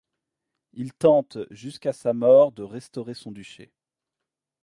Il tente jusqu'à sa mort de restaurer son duché.